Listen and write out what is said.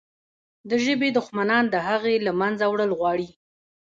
د ژبې دښمنان د هغې له منځه وړل غواړي.